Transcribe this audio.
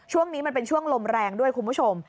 ช่วงนี้มันเป็นช่วงลมแรงด้วยคุณผู้ชม